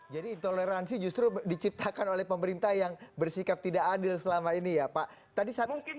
jadi intoleransi justru diciptakan oleh pemerintah yang bersikap tidak adil selama ini ya pak